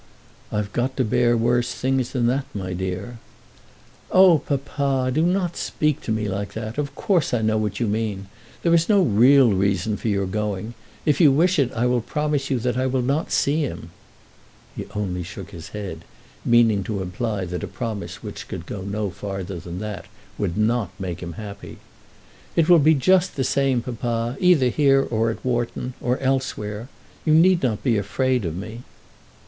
"I've got to bear worse things than that, my dear." "Oh, papa, do not speak to me like that! Of course I know what you mean. There is no real reason for your going. If you wish it I will promise you that I will not see him." He only shook his head, meaning to imply that a promise which could go no farther than that would not make him happy. "It will be just the same, papa, either here, or at Wharton, or elsewhere. You need not be afraid of me."